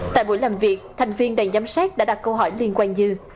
tại buổi làm việc thành viên đoàn giám sát đã đặt câu hỏi liên quan như